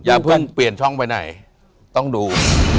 อย่าเพิ่งเปลี่ยนช่องไปไหนต้องดู